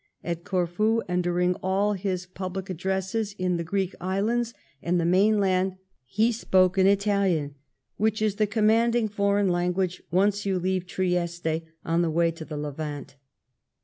At Corfu, and during all his public addresses in the Greek islands and the mainland, he spoke in Italian, which is the commanding foreign language once you leave Trieste on the way to the Levant.